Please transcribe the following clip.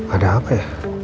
ada apa ya